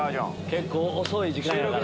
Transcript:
結構遅い時間やから。